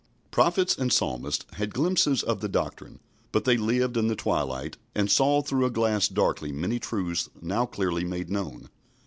Prophets and Psalmists had glimpses of the doctrine, but they lived in the twilight, and saw through a glass darkly many truths now clearly made known.